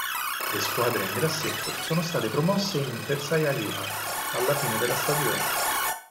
Le squadre in grassetto sono state promosse in Peršaja Liha alla fine della stagione.